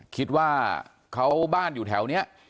คิดว่าเขาบ้านอยู่แถวนี้